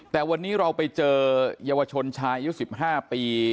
แต่วันนี้เราไปเจอเยาวชนชายอายุ๑๕ปี